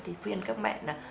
thì khuyên các mẹ là